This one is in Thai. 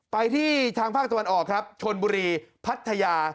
ไปที่ทางภาคตะวันออกครับชนบุรีพัทยา